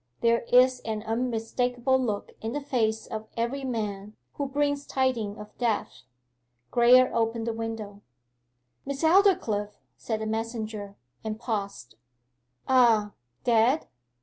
There is an unmistakable look in the face of every man who brings tidings of death. Graye opened the window. 'Miss Aldclyffe....' said the messenger, and paused. 'Ah dead?